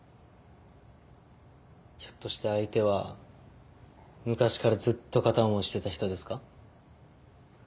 ひょっとして相手は昔からずっと片思いしてた人ですか？